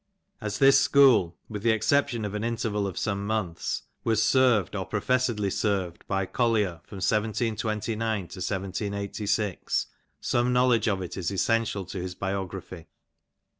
As this school, with the exception of an interval of some months was served or professedly served by Collier from 1729 to 1 786, some knowledge of it is essential to his biography.